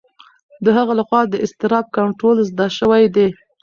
د هغه لخوا د اضطراب کنټرول زده شوی دی.